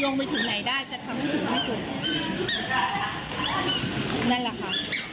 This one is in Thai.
นั่นแหละค่ะ